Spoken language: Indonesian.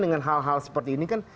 dengan hal hal seperti ini kan